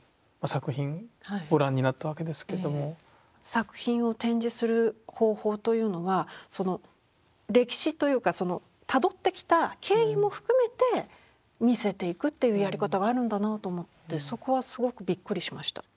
作品を展示する方法というのはその歴史というかそのたどってきた経緯も含めて見せていくっていうやり方があるんだなと思ってそこはすごくびっくりしました。